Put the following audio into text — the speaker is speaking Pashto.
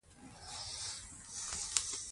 لوستې میندې د ماشوم د خوراک وخت منظم ساتي.